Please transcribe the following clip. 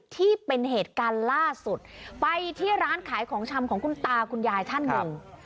ที่เป็นเหตุการณ์ล่าสุดไปที่ร้านขายของชำของคุณตาคุณยายท่านหนึ่ง